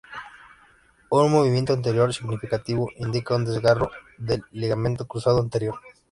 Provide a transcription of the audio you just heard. Un movimiento anterior significativo indica un desgarro del ligamento cruzado anterior.